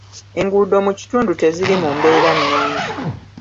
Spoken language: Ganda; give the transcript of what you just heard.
Enguudo mu kitundu teziri mu mbeera nnungi.